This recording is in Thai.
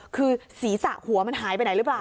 คือศีรษะหัวมันหายไปไหนหรือเปล่า